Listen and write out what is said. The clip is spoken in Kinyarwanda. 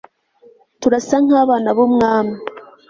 turasa nkabana b'umwami